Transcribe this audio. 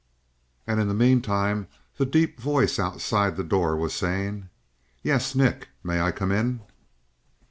And in the meantime, the deep voice outside the door was saying: "Yes, Nick. May I come in?"